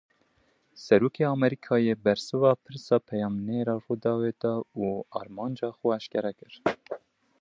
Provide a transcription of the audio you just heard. Serokê Amerîkayê bersiva pirsa peyamnêra Rûdawê da û armanca xwe eşkere kir.